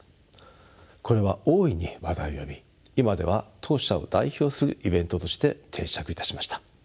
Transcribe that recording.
これは大いに話題を呼び今では当社を代表するイベントとして定着いたしました。